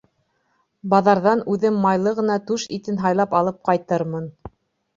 Баҙарҙан үҙем майлы ғына түш итен һайлап алып ҡайтырмын.